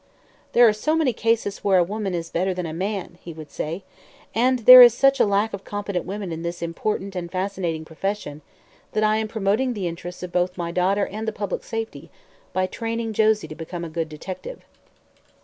"There are so many cases where a woman is better than a man," he would say, "and there is such a lack of competent women in this important and fascinating profession, that I am promoting the interests of both my daughter and the public safety by training Josie to become a good detective."